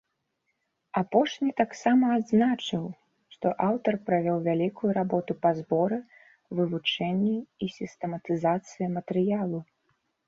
Апошні таксама адзначыў, што аўтар правёў вялікую работу па зборы, вывучэнні і сістэматызацыі матэрыялу.